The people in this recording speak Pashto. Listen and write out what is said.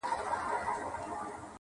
ناروغان یې ماشومان او بوډاګان کړل.!